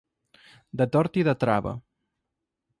De tort i de trava.